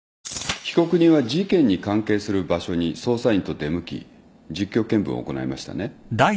被告人は事件に関係する場所に捜査員と出向き実況見分を行いましたね。